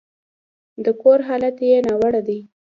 د کور حالت يې ناوړه دی.